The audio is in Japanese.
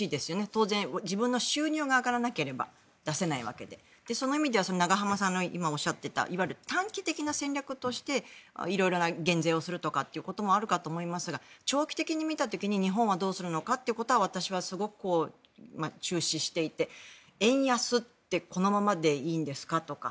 当然、自分の収入が上がらなければ出せないわけでその意味では今、永濱さんがおっしゃっていたいわゆる短期的な戦略として色々な減税をするということもあるかと思いますが長期的に見た時に日本はどうするのかは私はすごく注視していて円安ってこのままでいいんですかとか。